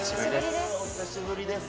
お久しぶりです。